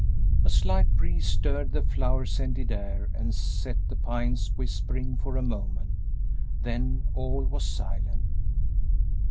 A slight breeze stirred the flower scented air and set the pines whispering for a moment; then all was silent.